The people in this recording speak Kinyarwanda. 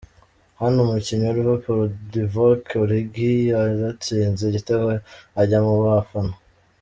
hano umukinnyi wa Lverpool Divock Origi yaratsinze igitego ajya mu bafana